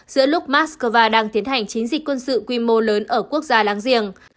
giữa lúc moscow đang tiến hành chiến dịch quân sự quy mô lớn ở quốc gia láng giềng